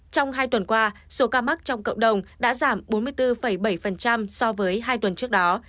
trong hai tuần qua số ca mắc trong cộng đồng đã giảm bốn mươi bốn bảy so với hai tuần trước đó